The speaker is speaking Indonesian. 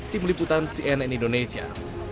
tim liputan cnn indonesia